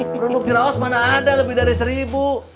produk jerawas mana ada lebih dari seribu